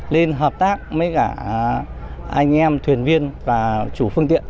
nên hợp tác với cả anh em thuyền viên và chủ phương tiện